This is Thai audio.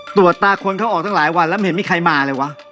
ตรวจตาคนเขาออกตั้งหลายวันแล้วไม่เห็นมีใครมาเลยวะ